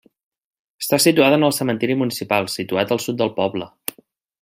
Està situada en el cementiri municipal, situat al sud del poble.